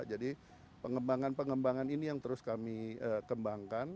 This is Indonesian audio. jadi pengembangan pengembangan ini yang terus kami kembangkan